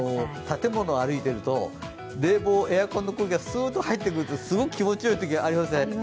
建物を歩いていると、エアコンの空気がスーッと入ってくるとすごく気持ちよいときありません？